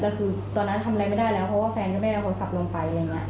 แต่คือตอนนั้นทำอะไรไม่ได้แล้วเพราะว่าแฟนก็ไม่ได้เอาโทรศัพท์ลงไปอะไรอย่างนี้